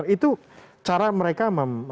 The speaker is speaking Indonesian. itu cara mereka